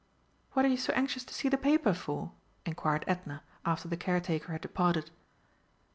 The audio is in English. "What are you so anxious to see the paper for?" inquired Edna after the caretaker had departed.